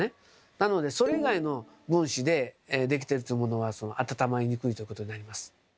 なのでそれ以外の分子でできてるっていうものは温まりにくいということになります。